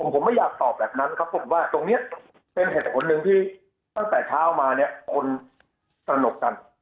ผมไม่อยากตอบแบบนั้นครับผมว่าตรงนี้เป็นเหตุผลหนึ่งที่ตั้งแต่เช้ามาเนี่ยคนสนุกกัน